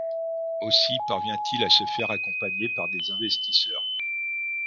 Aussi parvient-il à se faire accompagner par des investisseurs.